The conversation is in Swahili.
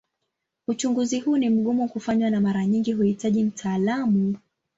Uchunguzi huu ni mgumu kufanywa na mara nyingi huhitaji mtaalamu.